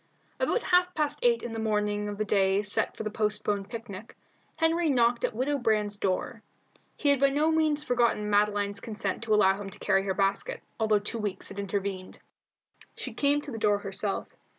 About half past eight on the morning of the day set for the postponed picnic, Henry knocked at Widow Brand's door. He had by no means forgotten Madeline's consent to allow him to carry her basket, although two weeks had intervened. She came to the door herself.